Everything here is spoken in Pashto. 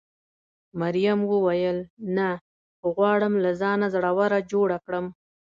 مريم وویل: نه، خو غواړم له ځانه زړوره جوړه کړم.